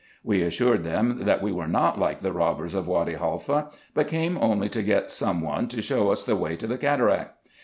We assured them, that we were not like the robbers of Wady Haifa, but came only to get some one to show us the way to the cataract.